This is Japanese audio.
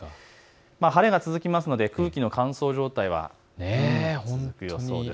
晴れが続くので空気の乾燥状態は続く予想です。